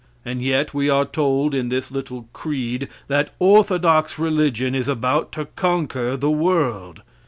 And yet we are told in this little creed that orthodox religion is about to conquer the world.